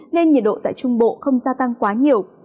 nên nhiệt độ tại trung bộ không gia tăng quá nhiều